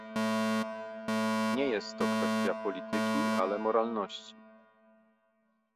Nie jest to kwestia polityki, ale moralności